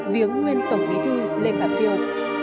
viếng nguyên tổng bí thư lê khả phiêu